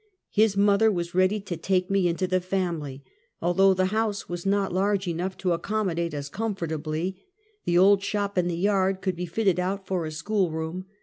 His mother was ready to take me into the family, — although the house was not large enough to accommodate us comfortably — the old shop in the yard could be fitted up for a school room.